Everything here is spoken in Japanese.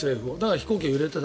飛行機が揺れていた。